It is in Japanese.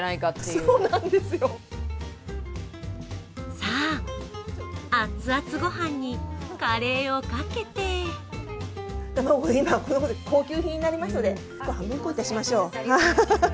さあ、アツアツご飯にカレーをかけて卵が高級品になりましたので半分こにしましょう。